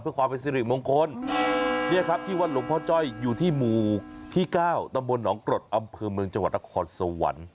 เพื่อความประสิทธิ์มงคิญนี่ครับที่วันหลวงพ่อจ้อยอยู่ที่หมูที่๙ตำบลหนองจำนวงกฏอำเภอจังหวัดละครสวรรค์